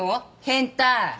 「変態」！？